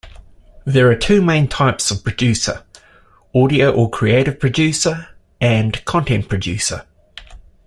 There are two main types of producer: audio or creative producer and content producer.